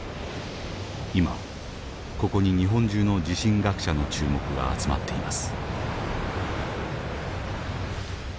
今ここに日本中の地震学者の注目が集まっています。